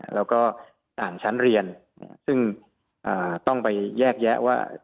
แล้วก็อ่านชั้นเรียนซึ่งต้องไปแยกแยะว่า